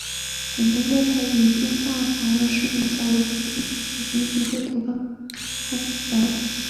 滚动调查以电话访问市民假如明日进行选举会投哪张候选名单。